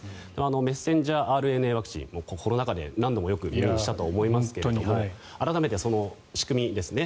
メッセンジャーＲＮＡワクチンコロナ禍で何度もよく耳にしたと思いますが改めてその仕組みですね。